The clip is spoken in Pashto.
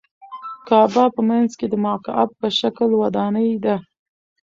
کعبه په منځ کې د مکعب په شکل ودانۍ ده.